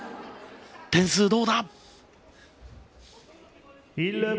点数、どうだ。